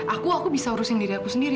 aku aku bisa urusin diri aku sendiri